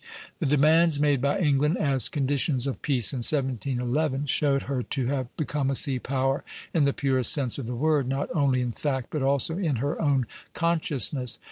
The demands made by England, as conditions of peace in 1711, showed her to have become a sea power in the purest sense of the word, not only in fact, but also in her own consciousness.